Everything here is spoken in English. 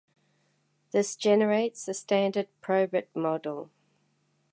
This generates the standard probit model.